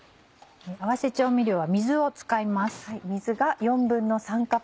合わせ調味料は水を使います。